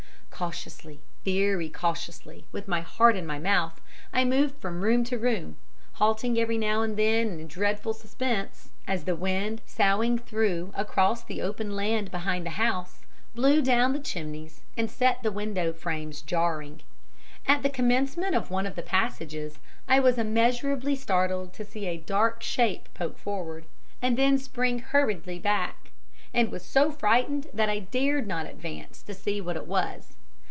Cautiously, very cautiously, with my heart in my mouth, I moved from room to room, halting every now and then in dreadful suspense as the wind, soughing through across the open land behind the house, blew down the chimneys and set the window frames jarring. At the commencement of one of the passages I was immeasurably startled to see a dark shape poke forward, and then spring hurriedly back, and was so frightened that I dared not advance to see what it was.